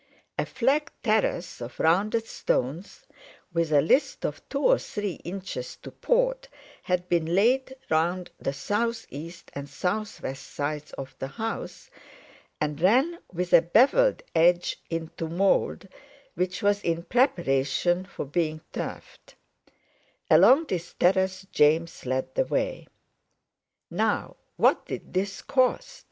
A flagged terrace of rounded stones with a list of two or three inches to port had been laid round the south east and south west sides of the house, and ran with a bevelled edge into mould, which was in preparation for being turfed; along this terrace James led the way. "Now what did this cost?"